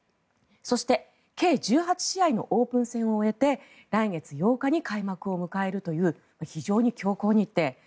そして計１８試合のオープン戦を終えて来月８日に開幕を迎えるという非常に強行日程。